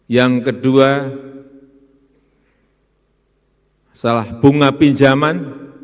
yang kedua salah bunga pinjaman